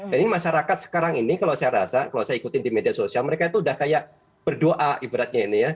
jadi masyarakat sekarang ini kalau saya rasa kalau saya ikutin di media sosial mereka itu udah kayak berdoa ibaratnya ini ya